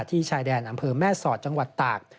ชายแดนอำเภอแม่สอดจังหวัดตาก